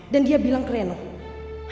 dan dia bilang kerenuh